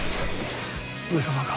上様が。